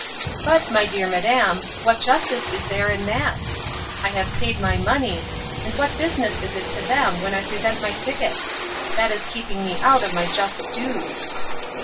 "But, my dear madam, what justice is there in that? I have paid my money, and what business is it to them when I present my ticket? That is keeping me out of my just dues."